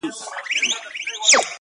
څو یې ستا تېره منگول ته سمومه.!